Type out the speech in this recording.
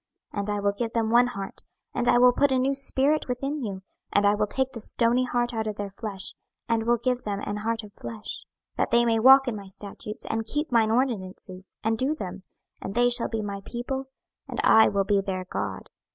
26:011:019 And I will give them one heart, and I will put a new spirit within you; and I will take the stony heart out of their flesh, and will give them an heart of flesh: 26:011:020 That they may walk in my statutes, and keep mine ordinances, and do them: and they shall be my people, and I will be their God.